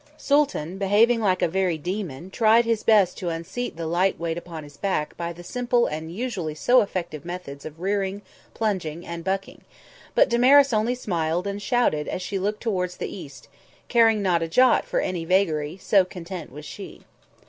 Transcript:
Sooltan, behaving like a very demon, tried his best to unseat the light weight upon his back by the simple and usually so effective methods of rearing, plunging and bucking; but Damaris only smiled and shouted as she looked towards the east, caring not a jot for any vagary, so content was she.